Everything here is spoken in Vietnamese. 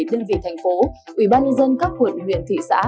đơn vị thành phố ủy ban nhân dân các quận huyện thị xã